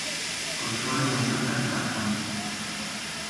Consuelo Mendoza de Garzón.